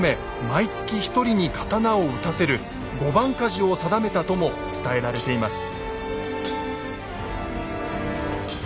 毎月１人に刀を打たせる「御番鍛冶」を定めたとも伝えられています。